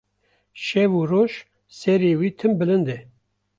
Şev û roj serê wî tim bilinde